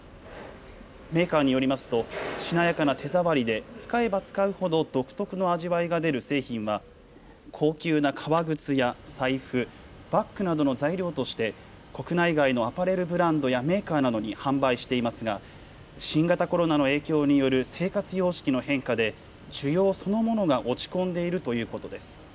メーカーによりますとしなやかな手触りで使えば使うほど独特の味わいが出る製品は高級な革靴や財布、バッグなどの材料として国内外のアパレルブランドやメーカーなどに販売していますが新型コロナの影響による生活様式の変化で需要そのものが落ち込んでいるということです。